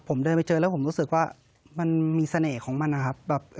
ผมเดินไปเจอแล้วผมรู้สึกว่ามันมีเสน่ห์ของมันนะครับ